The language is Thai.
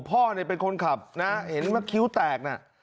พ่อนี่เป็นคนขับนะเห็นไหมคิ้วแตก